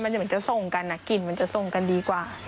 มันเหมือนจะส่งกันกลิ่นมันจะส่งกันดีกว่า